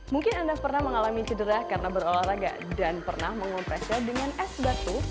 mungkin anda pernah mengalami cedera karena berolahraga dan pernah mengompresnya dengan es batu